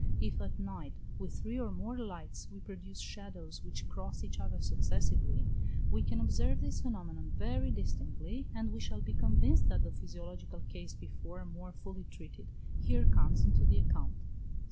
If at night, with three or more lights, we produce shadows which cross each other successively, we can observe this phenomenon very distinctly, and we shall be convinced that the physiological case before more fully treated, here comes into the account (38).